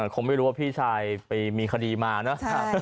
คงไม่รู้ว่าพี่ชายไปมีคดีมานะ